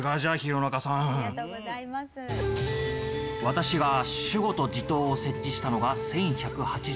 私が守護と地頭を設置したのが１１８５年。